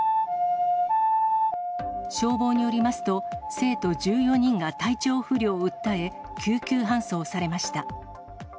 消防によりますと、生徒１４人が体調不良を訴え、救急搬送されました。